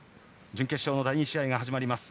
準決勝の第２試合が始まります。